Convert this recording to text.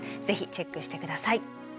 ぜひチェックして下さい。